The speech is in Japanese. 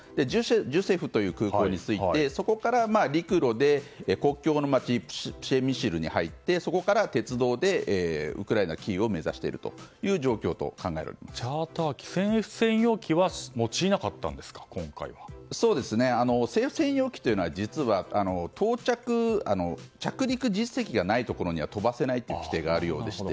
ジュセフという空港に着いて陸路で国境の町プシェミシルに入ってそこから陸路でウクライナ・キーウを目指しているということを政府専用機は政府専用機というのは着陸実績がないところには飛ばせないという規定があるようでして。